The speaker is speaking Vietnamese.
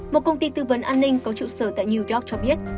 một công ty tư vấn an ninh có trụ sở tại new york cho biết